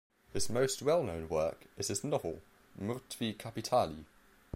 His most well-known work is his novel, "Mrtvi kapitali".